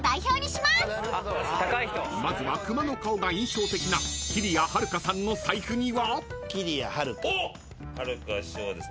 ［まずはくまの顔が印象的なきりやはるかさんの財布には？］おっ！